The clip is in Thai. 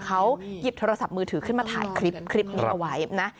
เขาหยิบโทรศัพท์มือถือขึ้นมาถ่ายคลิปนี้เอาไว้นะ